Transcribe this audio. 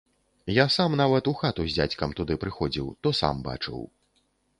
Я сам нават у хату з дзядзькам туды прыходзіў, то сам бачыў.